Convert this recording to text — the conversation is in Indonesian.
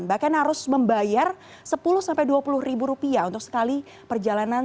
bahkan harus membayar sepuluh sampai dua puluh ribu rupiah untuk sekali perjalanan